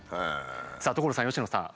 さあ所さん佳乃さん。